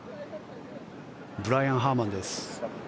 ブライアン・ハーマンです。